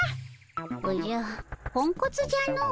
おじゃポンコツじゃの。